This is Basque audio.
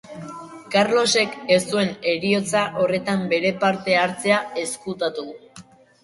Karlosek ez zuen heriotza horretan bere parte-hartzea ezkutatu.